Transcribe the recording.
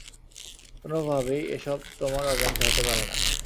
কোনভাবেই এসব তোমার অজান্তে হতে পারে না।